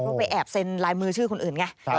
เพราะไปแอบเซ็นลายมือชื่อคนอื่นไง